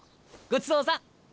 ごちそうさん！